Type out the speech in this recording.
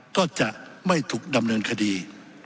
ก็จะไม่ถูกดำเนินคดี